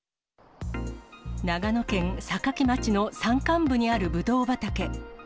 長野県坂城町の山間部にあるブドウ畑。